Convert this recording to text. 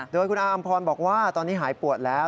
โดยคุณอาอำพรบอกว่าตอนนี้หายปวดแล้ว